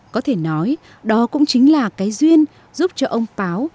có thể nói đó cũng chính là cái duyên giúp cho ông báo